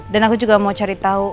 dan aku juga mau cari tau